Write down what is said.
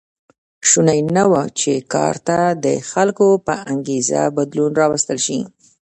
شونې نه وه چې کار ته د خلکو په انګېزه بدلون راوستل شي.